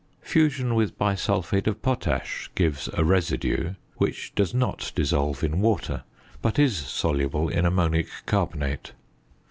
Fusion with bisulphate of potash gives a residue, which does not dissolve in water, but is soluble in ammonic carbonate.